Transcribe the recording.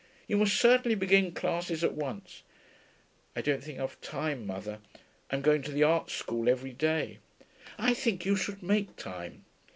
You must certainly begin classes at once.' 'I don't think I've time, mother. I'm going to the art school every day.' 'I think you should make time.